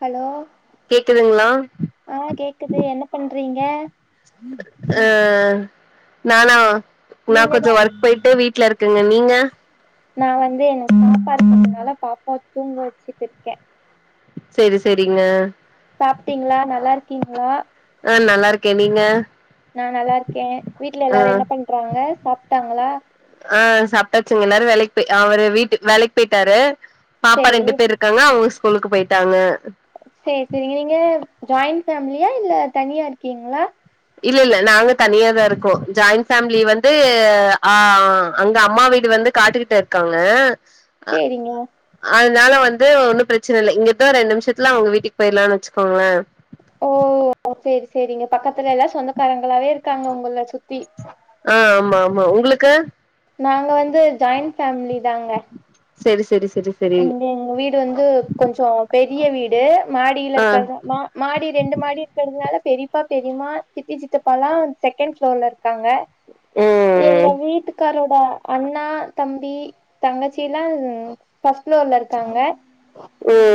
hello கேக்குதுங்ளா ஆ கேக்குது என்ன பண்றீங்க ஆ நானா நா கொஞ்ச நீங்கதா ஒர்க் போயிட்டு வீட்ல இருக் கங்க நீங்க நா வந்து எனக்கு பாப்பா இருக்கதுனால பாப்பாவ தூங்க வெச்சுட்டு இருக்கே செரி செரிங்க சாப்டீங்ளா நல்லா இருக்கீங்ளா ஆ நல்லா இருக்கே நீங்க நா நல்லா இருக்கே வீட்ல ஆ எல்லாரும் என்ன பண்றாங்க சாப்டாங்ளா ஆ சாப்டாச்சுங்க எல்லாரு வேலைக் போய் அவரு வீட்டு வேலைக்கு போயிட்டாரு பாப்பா சேரி ரெண்டு பேர்ரு க்காங்க அவங்க ஸ்கூலுக்கு போய்ட்டாங்க செரி செரிங்க நீங்க ஜாய்ண் ஃபேமிலியா இல்ல தனியா இருக்கீங்ளா இல்ல இல்ல நாங்க தனியாதா இருக்கோ ஜாயிண் ஃபேமிலி வந்து ஆ அங்க அம்மா வீடு வந்து காட்டுகிட்ட இருக்காங்க அ சேரிங்க அதனால வந்து ஒன்னும் பிரச்சன இல்ல இங்கதா ரெண்டு நிமிஷத்துல அவங்க வீட்டுக்கு போயிலாம்னு வெச்சுக்கோங்ளே ஓ செரி செரிங்க பக்கத்துல எல்லா சொந்தக்காரங்களாவே இருக்காங்க உங்கள சுத்தி ஆ ஆமா ஆமா உங்குளுக்கு நாங்க வந்து ஜாய்ண் ஃபேமிலி தாங்க செரி செரி செரி செரி இங்க எங்க வீடு வந்து கொஞ்சொ பெரிய வீடு மாடியில ஆ இருக்கிறது மா மாடி ரெண்டு மாடி இருக்குறதுனால பெரிப்பா பெரிம்மா சித்தி சித்தப்பால்லா செகண்ட் ப்ளோர்ல இருக்காங்க எங்க ம் வீட்டுக்காரோட அண்ணா தம்பி தங்கச்சிலா ம் ஃபர்ஸ்ட் ப்ளோர்ல இருக்காங்க ம்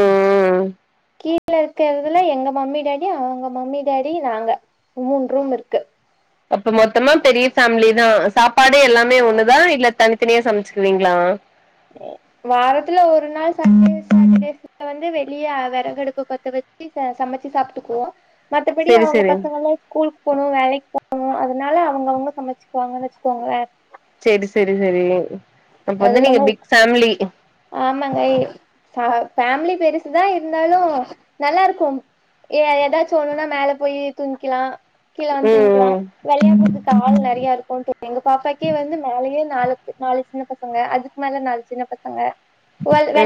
கீழ இருக்கறதுல எங்க மம்மி டேடி அவங்க மம்மி டேடி நாங்க மூணு ரூம் இருக்கு அப்ப மொத்தமா பெரிய ஃபேமிலிதா சாப்பாடு எல்லாமே ஒண்ணுதா இல்ல தனி தனியா சமச்சுக்குவீங்ளா வாரத்துல ஒரு நாள் சன்டே சாட்டர்டேஸ்ல வந்து வெளிய விறகடுப்பு பத்த வெச் சி சமச்சு சாப்ட்டுக்குவோ மத்தபடி செரி அவங்க செரி பசங்க எல்லா ஸ்கூலுக்கு போணு வேலைக்கு போணு அதனால அவங்கவுங்க சமைச்சுக்குவாங்கன் வெச்சுக்கோங்ளே செரி செரி செரி அப்ப அது வந்து நீங்க இல்லாம பிக் ஃபேம்லி ஆமாங்க பே ஃபேமிலி பெருசுதா இருந்தாலு நல்லா இருக்கு ஏ எதாச்சு ஒன்னுன்னா மேல போய் தூங்கிளா கீழ வந்து தூங்கிளா ம் ம் வெளயாடுறதுக்கு ஆள் நெறைய இருக்கு தோழி எங்க பாப்பாக்கே வந்து மேலயே நாலு நாலு சின்ன பசங்க அதுக்கு மேல நாலு சின்ன பசங்க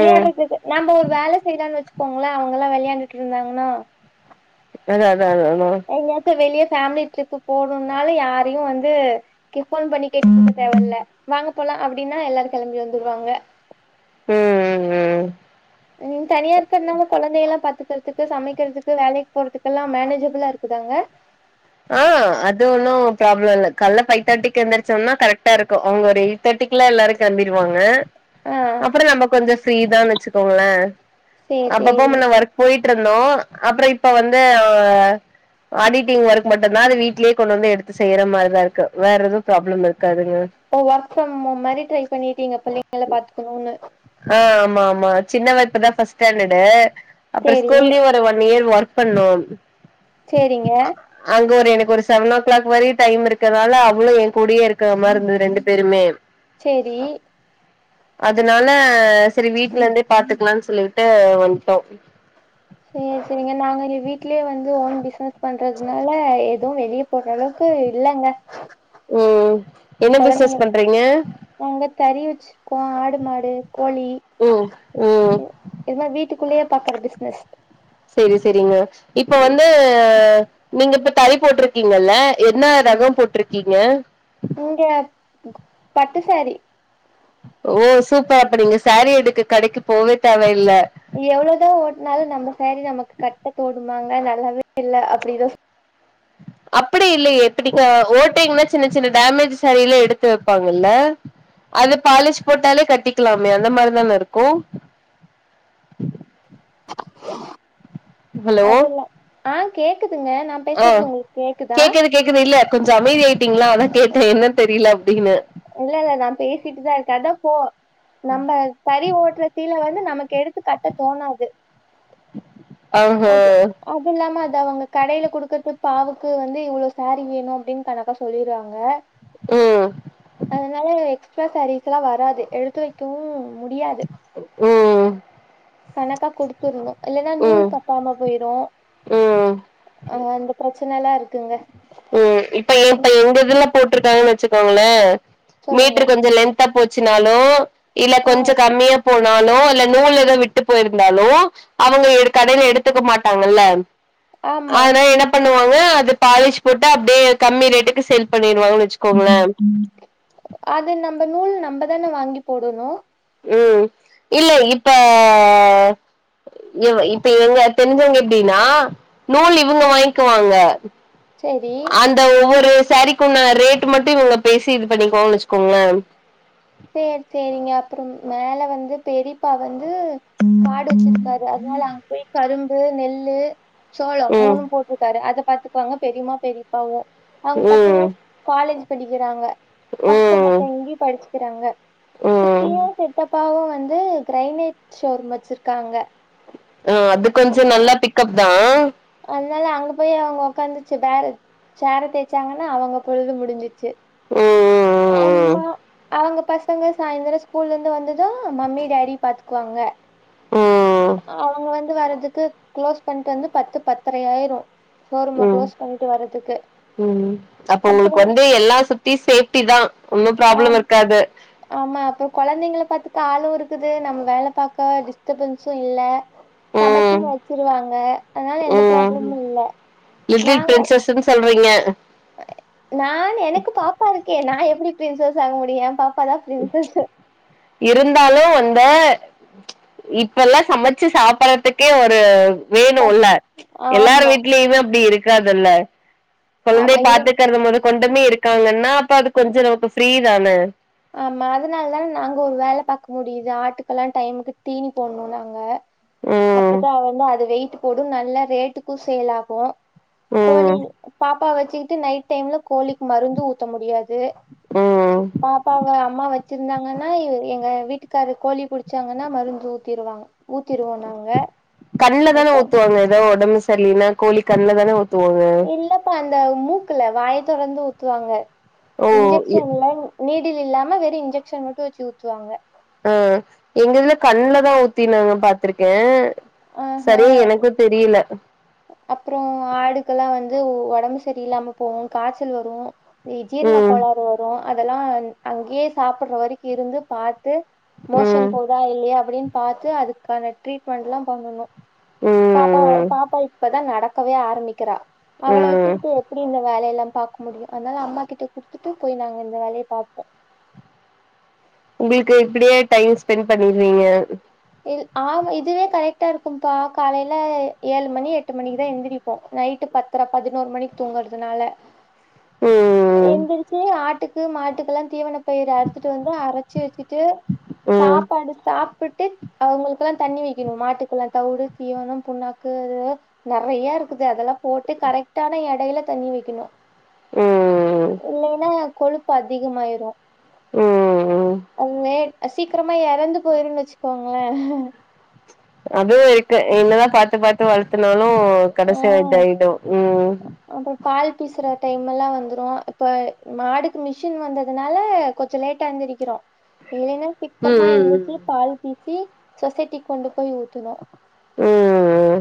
ம் நம்ம ஒரு வேல செய்றோன்னு வச்சுக்கோங்களா அவங்கல்லா விளயாண்டுட்டு இருந்தாங்கன்னா அத அத அத அதா எங்கயாச்சு வெளியே ஃபேமிலி ட்ரிப்பு போகண்னுனால யாரயு வந்து போன் பண்ணி கேட்டுக்கனு தேவயில்ல வாங்க போலா அப்டின்னா எல்லாரு கிளம்பி வந்துருவாங்க ம் ம் நீங்க தனியா இருக்கிறனால குழந்த எல்லா பாத்துக்கறதுக்கு சமைக்கிறதுக்கு வேலக்கு போறதுக்கு எல்லா மேனேஜபிளா இருக்குதாங்க ஆ அது ஒன்னு ப்ராப்ள இல்ல கால்ல பைவ் தாட்டிக்கு எந்திரிச்சோனா கரெக்டா இருக்கு அவங்க ஒரு தேடிக்குல்லா எல்லாரு கிளம்பிடுவாங்க ஆ அப்ற நம்ம கொஞ்ஜோ ஃப்ரீதா வச்சுக்கோங்களே சேரி அப்பப்ப சேரி முன்ன ஒர்க் போயிட்ருந்தோ அப்பற இப்ப வந்து ஆடிட்டிங் ஒர்க் மட்டுதா அது வீட்டு வீட்லயே கொண்டு வந்து எடுத்து செய்யற மாரிதா இருக்கு வேற எதவு ப்ராப்ளம் இருக்காதுங்க ஓ ஒர்க் ப்ரம் மாரி ட்ரை பண்ணிடீங்க பிள்ளங்கள பாத்துக்கணும்னு ஆ ஆமா ஆமா சின்னவ இப்பதா பஸ்ட் ஸ்டாண்டர்டு அப்ற சேரி ஸ்கூல்லயு ரு ஒன் இயர் ஒர்க் பண்ணோ சேரிங்க அங்க ஒரு எனக்கு ஒரு செவனோ ஓ கிளாக் வர டைம் இருக்குறனால அவ்ளவு என் கூடயே இருக்க மாரி இருந்தது ரெண்டு பேருமே சேரி அதனால செரி வீட்லருந்தே பாத்துக்கலானு சொல்லிட்டு வந்துட்டோ சே சேரிங்க நாங்க இங்க வீட்லேயே வந்து ஓன் பிஸ்னஸ் பண்றதுனால எதுவு வெளிய ஓரளவுக்கு இல்லங்க ம் என்ன பிஸ்னஸ் கொழந்தைங்க பண்றீங்க நாங்க தறி வச்சிருக்கோ ஆடு மாடு கோழி ம் ம் இதுல வீட்டுக்குள்ளயே பாக்குற பிஸ்னஸ் சேரி சேரிங்க இப்ப வந்து நீங்க இப்ப தறி போட்ருக்கீங்கல்ல என்ன ரகம் போட்ருக்கீங்க இங்க பட்டு சேரி ஓ சூப்பர் அப்ப நீங்க சாரீ எடுக்க கடைக்கு போகவே தேவயில்ல எவ்ளோதா ஓட்டனாலு நம்ம சாரி நமக்கு கட்ட தோடுமாங்க நல்லாவே இல்லை அப்டித அப்படி இல்லையே இப்ப நீங்க ஓட்டைனா சின்ன சின்ன டேமேஜ் சேரியெல்லா எடுத்து வைப்பாங்கல்ல அது பாலிஷ் போட்டாலே கட்டிக்கலாமே அந்த மாரி தானே இருக்கு ஹலோ அதெல்லா ஆ கேக்குதுங்க நா ஆ பேசுறது உங்களுக்கு கேக்குதா கேக்குது கேக்குது இல்ல கொஞ்சோ அமைதி ஆயிட்டீங்களா அதா கேட்டே என்ன தெரியல அப்டின்னு இல்ல இல்ல நா பேசிட்டுதா இருக்கே அதா போ நம்ம தறி ஓட்டுற சீல வந்து நமக்கு எடுத்து கட்ட தோணாது அ ஆ அதுல்லாம அது அவங்க கடையில கொடுக்கறது பாவுக்கு வந்து இவ்ளோ சாரீ வேணு அப்டின்னு கணக்கா சொல்லிருவாங்க ம் அதனால எக்ஸ்ட்ரா சாரீஸ்ல்லா வராது எடுத்து வைக்கவு முடியாது ம் கணக்கா கொடுத்துடணு இல்லன்னா நூல் ம் பத்தாம போயிரு ம் அ அந்த பிரச்ச னைலா இருக்குங்க ம் இப்ப இப்ப இங்க குருஃப் போட்ருக்காங்கன்னு வச்சுக்கோங்களே சொல்லுங்க மீட்ரு கொஞ்சோ லென்த் லென்தா போச்சினாலோ இல்ல ஆ கொஞ்சோ கம்மியா போனாலோ இல்ல நூல்ல ஏதோ விட்டு போயிருந்தாலோ அவங்க கடையில எடுத்துக்க மாட்டாங்கல்ல ஆமா ஆனா என்ன பண்ணுவாங்க அது பாலீஷ் போட்டு அப்டியே கம்மி ரேட்டுக்கு சேல் பண்ணிடுவாங்க வெச் அது நம்ப நூல் நம்பதானே வாங்கி போடணு ம் இல்ல இப்ப இ இப்ப இவங்க தெரிஞ்சங்க எப்படினா நூல் இவங்க வாங்கிக்குவாங்க செரி த ஒவ்வொரு சாரிக்குன்ன ரேட் மட்டு இவுங்க பேசி இது பண்ணிக்வாங்கனு வச்சுக்கோங்ளே சேர் சேரிங்க அப்புறம் மேல வந்து பெரிப்பா வந்து கா சிருக்காரு அதனால அங்க போய் கரும்பு நெல்லு சோளோ ம் மூணும் போட்டிருக்காரு அத பாத்து காங்க பெரிமா பெரிப்பாவு அவுங்க ம் பசங்க காலேஜ் படிக்கிறாங்க ஹாஸ்டல்ல ம் தங்கி படிச்சுக்கிறாங்க ம் சித்தியு சித்தப்பாவு வந்து கிரைனைட் ஷோரூம் வச்சிருக்காங்க ஆ அது கொஞ்ச நல்லா பிக்கப் தா அதுனால அங்க போய் அவங்க உக்காந்துச்சு பே சேர தேய்ச்சாங்கன்னா அவங்க பொழுது முடிஞ்சிச்சு ம் ஆம்மா அவுங்க பசங்க சாய்ந்திர ஸ்கூல்ல இருந்து வந்தது மம்மி டடி பாத்துக்குவாங்க ம் அவங்க வந்து வர்துக்கு க்ளோஸ் பண்ணிட்டு வந்து பத்து பத்தரையாயிரு ம் ம் அப்ப உங்ளுக்கு அப்புறோ வந்து எல்லா சிப் டி சேஃப்டி தா ஒன்னு ப்ராப்ளம் ஆம் இருக்காது ஆமா அப்போ கொழந்தைங்கள பாத்துக்க ஆளு இருக்குது நம்ம வேலை பார்க்க டிஸ்டபன்ஸு இல்ல சமச்சு ம் வச்சிருவாங்க அதனால எந்த ம் ப்ராப்ளமு இல்ல லிட்டில் நாங்க பிரின்சஸ்ன்னு சொல்றீங்க நான் எனக்கு பாப்பா இருக்கே நா எப்படி பிரின்சஸ் ஆக முடியு யெ பாப்பா தா பிரின்சஸ் இருந்தாலு வந்த இப்பல்லா சமைச்சு சாப்டுறதுக்கே ஒரு வேணு இல்ல எல்லாரு ஆமா வீட்லயுமே அப்படி இருக்காதுல்ல ஆமா கொழந்தைய இரு பாத்துக்கறத முத கொண்டுமே இருக்காங்கன்னா அப்ப அது கொஞ்ச நமக்கு ஃப்ரீ தான ஆமா அதுனால தா நாங்க ஒரு வேல பாக்க முடியுது ஆட்டுக்கெல்லா டைமுக்கு தீனி போடணு நாங்க ம் அப்போதா அது வந்து அது வெயிட் போடு நல்லா ரேட்டுக்கு சேல் ஆகு ம் கோழி பாப்பா வச்சுக்கிட்டு நைட் டைம்ல கோழிக்கு மருந்து ஊத்த முடியாது ம் பாப்பாவ அம்மா வ சிருந்தாங்கன்னா இவரு எங்க வீட்டுக்காரு கோழி புடிச்சாங்கன்னா மருந்து ஊத்திருவாங்க ஊத்திருவோ நாங்க கண்ல தான இப்போ ஊத்துவாங்க ஏதோஒடம்பு சரியில்னா கோழி கண்ல தான ஊத் இல்லப்பா அந்த மூக்குல வாய தொரந்து ஊத்துவாங்க ஓ இ இன்ஜெக்ஷன்ல நீடில் இல்லாம வெறு இன்ஜெக்ஷன் மட்டு வச்சு ஊத்துவாங்க அ எங்கஇதுல கண்ல தா ஊத்தி நா பாத்ருக்கே அ ஹா அப்றோ ஆடுக்கெல்லா வந்து ஒடம்பு சரியில்லாம போகு காய்ச்சல் வரு ஜீர்ண ம் கோளாறு வரு அதெல்லா அங்கேயே சாப்பிடுற வரைக்கு இருந்து பாத்து மோஷன் ம் போகுதா இல்லையா அப்படின் பாத்து அதுக்கான ட்ரீட்மெண்ட்லா பண்ணனு பாப்பா ம் பாப்பா இப்பதா நடக்கவே ஆரம்பிக்கிறா அவள ம் வச்சுகிட்டு எப்படி இந்த வேலயெல்லா பாக்க முடியு அதனால அம்மா கிட்ட குடுத்துட்டு போய் நாங்க இந்த வேலய பாப்போ உங்களுக்கு இப்படியே டைம் ஸ்பென்ட் பண்ணிருவீங்க ல் ஆவ இதுவே கரெட்டா இருக்கும்ப்பா காலேல ஏழு மணி எட்டு மணிக்குதா எழுந்திரி போ நைட்டு பத்திர பதினோரு மணிக்கு தூங்குறதுனால உம் எந்திரிச்சி ஆட்டுக்கு மாட்டுக்கெல்லா தீவன பயிர அறுத்துட்டு வந்து அரைச்சி வச்சிட்டு ம் சாப்பாடு சாப்டுட்டு அவங்களுக்கெல்லா தண்ணி வைக்கணு மாட்டுக்குல்லா தவுடு தீவனம் புண்ணாக்கு அது நிறைய இருக்குது அதெல்லா போட்டு கரெக்டான எடையில தண்ணி வைக்கணு ம் இல்லைன்னா கொழுப்பு அதிகமாயிரு ம் ம் அங்கே அ சீக்கிரமா இறந்து போயிருன்னு வச்சுக்கோங்கள அதுவு இருக்கு என்னதா பாத்து பாத்து வளத்துனாலு கடைசி இது ஆயிடு உம் அப்புறம் பால் பீசுற டைம் எல்லா வந்துரு இப்ப மாடுக்கு மிஷின் வந்ததுனால கொஞ்சோ லேட் எந்திருக்கிறோ இல்லனா சிக்கமா ம் எந்திரிச்சி பால் பீசி சொசைட்டி கொண்டு போய் ஊத்தனு ம் ம்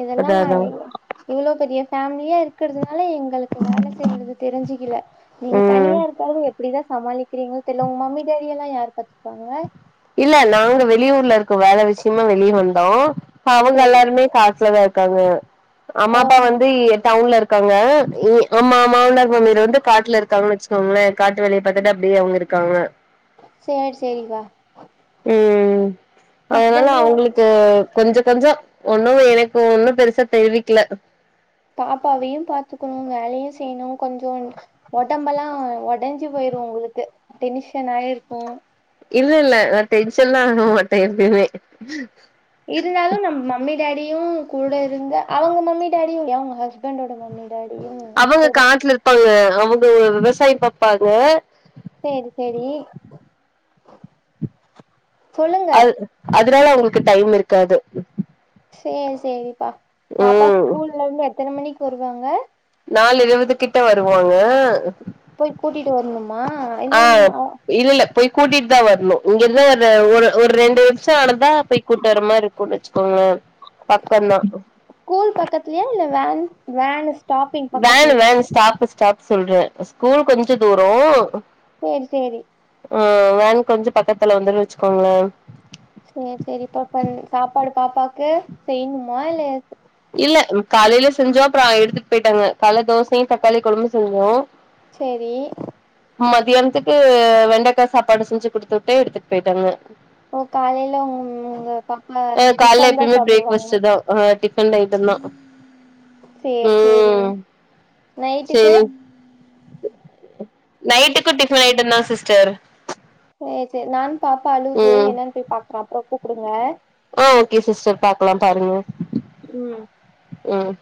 இதெல்லா அதா அதா [unintelligible] இவ்ளோ பெரிய பேமிலியா இருக்கிறதுனால எங்களுக்கு வேல செய்யறது தெரிஞ்சிகில நீங்க ம் தனியா இருக்கா எப்டிதா சமாளிக்கிறீங்களோ தெரிய உங்க மம்மி டேடிய எல்லா யார் பத்துப்பாங்க இல்ல நாங்க வெளியூர்ல இருக்கோ வேல விஷயமா வெளியே வந்தோ அவங்க சரி எல்லாருமே காட்லதா இருக்காங்க அம்மா ஓ அப்பா வந்து இ டவுன்ல இருக்க இருக்காங்க இ ஆமா ஆமா இந்த [unintelligible] வந்து காட்ல இருக்காங்க வச்சுக்கோங்கள காட்டு வேலய பாத்துட்டு அப்டியே அவங்க இருக்காங்க சேரி சேரி பா உம் அதனால ஹஸ்பண்டு அவங்களுக் கு கொஞ்ச கொஞ்சோ ஒன்னு எனக்கு ஒன்னு பெருசா தெரிவிக்கல பாப்பாவையு பாத்துக்குணு வேலையு செய்யணு கொஞ்சோன் ஒடம்பல்லா ஒடஞ்சி போயிரு உங்ளுக்கு டென்ஷன் ஆயிருக்கு இல்ல இல்ல நா டென்ஷன்ல ஆக மாட்ட எப்பிமே இருந்தாலு நம்ம மம்மி டேடியு கூட இருந்தா அவங்க மம்மி டேடியு அவங்க ஹஸ்பண்டோட மம்மி டாடியு அவங்க கூட காட்ல இருப்பாங்க அவங்க விவசாயம் பாப்பாங்க சேரி சேரி சொல்லுங்க அது அதனால அவங்களுக்கு டைம் இருக்காது சேரி சேரிப்பா பாப்பா ம் ஸ்கூல்ல இருந்து எத்தன மணிக்கு வருவாங்க நாலு இருவது கிட்ட வருவாங்க போய் கூட்டிட்டு வரணுமா இல்லன் ஆ இல்ல இல்ல போய் கூட்டிட்டு தா வரணு இங்க இருந்து ஒரு ஒரு ரெண்டு [unintelligible] போய் கூட்டுவர மாறி இருக்கும்ன்னு வச்சுக்கோங்கல பக்கம்தா ஸ்கூல் பக்கத்திலயா இல்ல வேன் வேன்ஸ் வேன்னு வேன் ஸ்டாப் ஸ்டாப் சொல்ற ஸ்கூல் கொஞ்சோ தூரோ சேரி சேரி அ வேன் கொஞ்சோ பக்கத்துல வந்துரு வச்சுக்கோங்கள சேரி சேரி பாப்பன் சாப்பாடு பாப்பாக்கு செய்யணுமா இல்லை எத்து இல்ல காலேல செஞ்சோ அப்புறம் எடுத்துட்டு போயிட்டாங்க கால தோசையு தக்காளி குழம்பு செஞ்சோ செரி மதியானத்துக்கு வெண்டைக்கா சாப்பாடு செஞ்சு குடுத்துட்டே எடுத்துட்டு போயிட்டாங்க ஒ காலேல உங் உங்க பாப்பா ஆ கால்ல டிஃபன் தா எப்பயுமே சாப்புடுவாங்க பிரேக்ஃபாஸ்ட் தா ஆ டிஃபன் ஐட்ட நா சேரி சேரி நைட்டுக்கு நைட்டுக்கும் டிஃபன் ஐட்டந்தா சிஸ்டர் சேரி சேரி நானும் பாப்பா அழுகுது ம் என்னன்னு போய் பாக்குறே அப்றோ கூப்டுங்க ஆ ஓகே சிஸ்டர் பாக்கலா பாருங்க ம் ம்